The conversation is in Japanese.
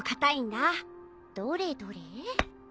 どれどれ？